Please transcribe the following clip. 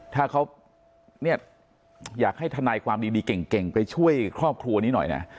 ถ้าเขาเนี่ยอยากให้ทนายความดีเก่งไปช่วยครอบครัวนี้หน่อยนะ